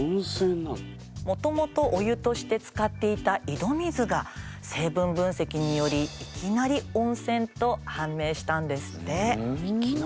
もともとお湯として使っていた井戸水が成分分析によりいきなり温泉と判明したんですって。